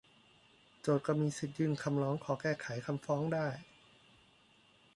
โจทก์มีสิทธิยื่นคำร้องขอแก้ไขคำฟ้องได้